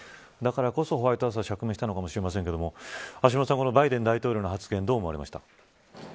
だからこそ、ホワイトハウスは釈明したのかもしれませんが橋下さん、バイデン大統領の発言どう思いますか。